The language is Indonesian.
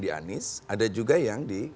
di anies ada juga yang di